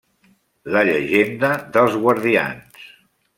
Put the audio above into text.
La llegenda dels guardians.